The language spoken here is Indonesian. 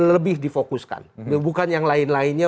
lebih difokuskan bukan yang lain lainnya